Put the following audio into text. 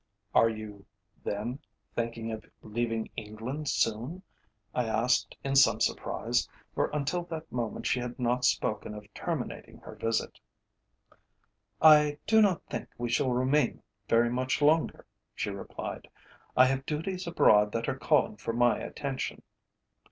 "Are you, then, thinking of leaving England soon?" I asked in some surprise, for until that moment she had not spoken of terminating her visit. "I do not think we shall remain very much longer," she replied. "I have duties abroad that are calling for my attention."